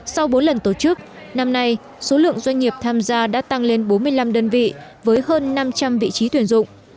sau bốn lần tổ chức năm nay số lượng doanh nghiệp tham gia đã tăng lên bốn mươi năm đơn vị với hơn năm trăm linh vị trí tuyển dụng